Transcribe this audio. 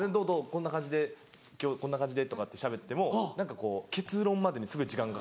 こんな感じで今日こんな感じで」とかってしゃべっても何かこう結論までにすごい時間かかる。